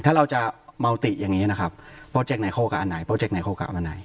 ถ้าเราจะมัวติอย่างนี้นะครับโปรเจกต์ไหนโคกกับอันไหน